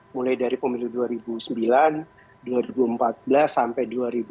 mulai dari pemilu dua ribu sembilan dua ribu empat belas sampai dua ribu dua puluh